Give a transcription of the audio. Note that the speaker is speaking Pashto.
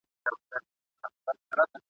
که ښکا ري هر څومره خپل سي نه دوستیړي ..